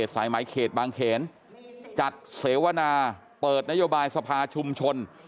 สายไหมเขตบางเขนจัดเสวนาเปิดนโยบายสภาชุมชน